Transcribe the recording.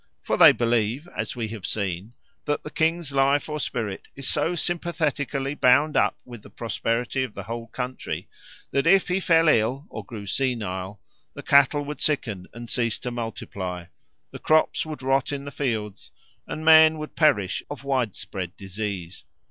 For they believe, as we have seen, that the king's life or spirit is so sympathetically bound up with the prosperity of the whole country, that if he fell ill or grew senile the cattle would sicken and cease to multiply, the crops would rot in the fields, and men would perish of widespread disease.